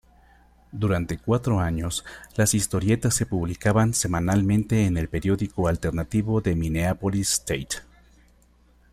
Durante cuatro años, las historietas se publicaban semanalmente en el periódico alternativo de Mineápolis-St.